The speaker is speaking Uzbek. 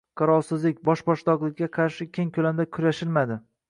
Qarovsizlik, bosh-boshdoqlikka qarshi keng koʻlamda kurashilmadi.